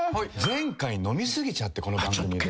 前回飲みすぎちゃってこの番組で。